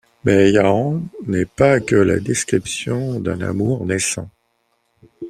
Mais Yahaan n'est pas que la description d'un amour naissant.